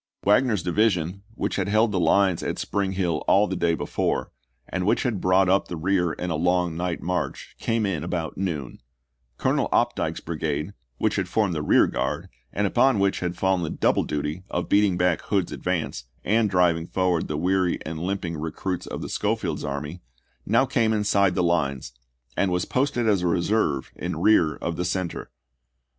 Wagner's division, which had held the lines at Spring Hill all the day before, and which had brought up the rear in a long night march, came in about noon. Colonel Opdycke's brigade, which had formed the rear guard, and upon which had fallen the double duty of beating back Hood's advance, and driving forward the weary and limp ing recruits of Schofield's army, now came inside the lines, and was posted as a reserve in rear of the center.